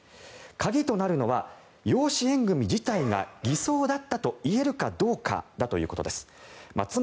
鍵となるのは養子縁組自体が偽装だったといえるかどうかということだそうです。